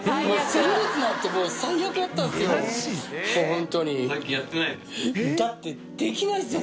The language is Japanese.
先月なんてもう最悪だったんですよ